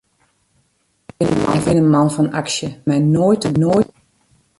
Ik bin in man fan aksje, it giet my noait te bot.